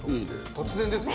突然ですね。